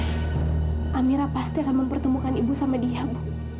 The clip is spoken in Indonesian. amirah pasti akan mempertemukan ibu sama dia ibu